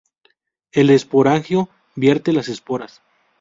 El esporangio vierte las esporas.